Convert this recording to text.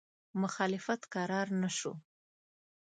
مخالفت کرار نه شو.